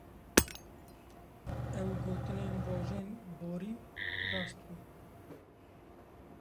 Ew gotinên rojên borî rast bûn!